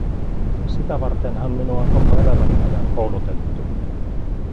Sitä vartenhan minua on koko elämäni ajan koulutettu.